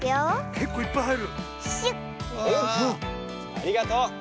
ありがとう！